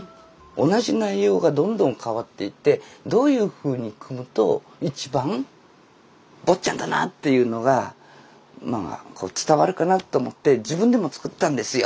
同じ内容がどんどん変わっていってどういうふうに組むと一番「坊っちゃん」だなっていうのが伝わるかなと思って自分でも作ったんですよ。